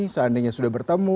seandainya sudah bertemu